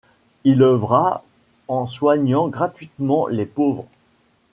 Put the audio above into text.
Il œuvra en soignant gratuitement les pauvres.